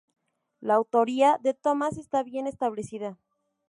La autoría de Tomás está bien establecida.